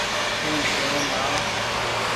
اين ڇوڙين آ و۔